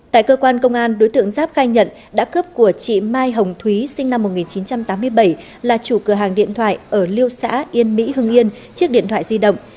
tại cơ quan công an đối tượng giáp khai nhận đã cướp của chị mai hồng thúy sinh năm một nghìn chín trăm tám mươi bảy là chủ cửa hàng điện thoại ở liêu xã yên mỹ hưng yên chiếc điện thoại di động